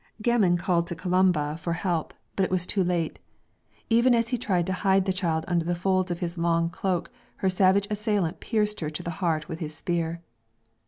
Gemman called to Columba for help, but it was too late. Even as he tried to hide the child under the folds of his long cloak her savage assailant pierced her to the heart with his spear.